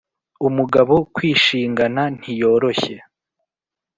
umugabo kwishingana ntiyoroshye